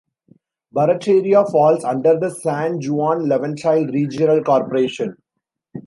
Barataria falls under the San Juan-Laventille Regional Corporation.